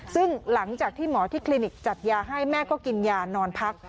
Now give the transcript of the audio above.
ซึ่งหลังจากที่หมอที่คลินิกจัดยาให้แม่ก็กินยานอนพัก